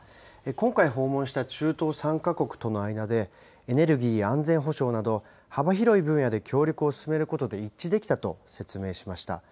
今回訪問した中東３か国との間で、エネルギーや安全保障など、幅広い分野で協力を進めることで一致できたと説明しました。